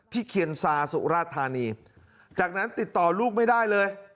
เคียนซาสุราธานีจากนั้นติดต่อลูกไม่ได้เลย